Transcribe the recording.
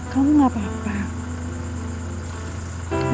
kamu gak apa apa